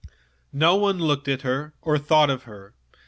No one looked at her, no one thought of her.